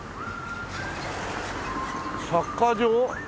サッカー場？